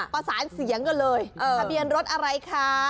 ประสานเสียงกันเลยทะเบียนรถอะไรคะ